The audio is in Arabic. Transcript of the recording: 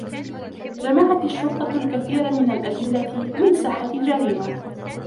جمعت الشّرطة الكثير من الأدلّة من ساحة الجريمة.